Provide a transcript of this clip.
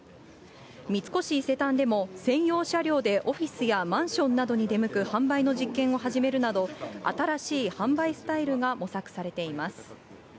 三越伊勢丹でも、専用車両でオフィスやマンションなどに出向く販売の実験を始めるなど、新しい販売スタイルが模索されています。